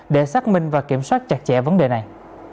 để xác minh và kiểm soát chặt chẽ vấn đề này